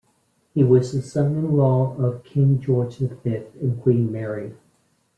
He was the son-in-law of King George the Fifth and Queen Mary.